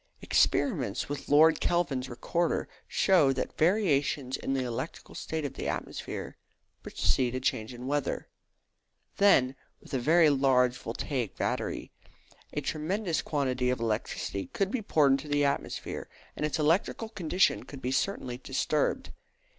Experiments with Lord Kelvin's recorder show that variations in the electrical state of the atmosphere precede a change of weather. Then, with a very large voltaic battery, a tremendous quantity of electricity could be poured into the atmosphere, and its electrical condition could be certainly disturbed.